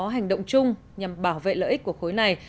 hành động chung nhằm bảo vệ lợi ích của khối này